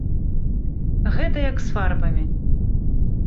Гэта як з фарбамі.